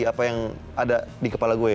apa yang ada di kepala gue